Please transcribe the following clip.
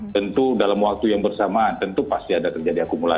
tentu dalam waktu yang bersamaan tentu pasti ada terjadi akumulasi